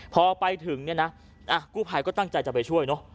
พอไปถึงเนี่ยนะกู้ภัยก็ตั้งใจจะไปช่วยเนอะ